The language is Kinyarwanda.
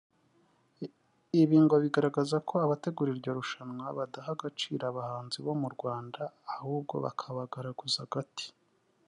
Ibi ngo bigaragaza ko abategura iryo rushanwa badaha agaciro abahanzi bo mu Rwanda ahubwo bakabagaraguza agati